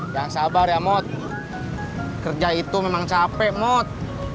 yang sabar ya mot kerja itu memang capek mot